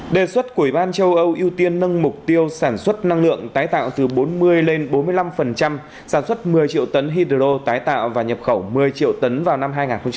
đề xuất của ủy ban châu âu ưu tiên nâng mục tiêu sản xuất năng lượng tái tạo từ bốn mươi lên bốn mươi năm sản xuất một mươi triệu tấn hydro tái tạo và nhập khẩu một mươi triệu tấn vào năm hai nghìn ba mươi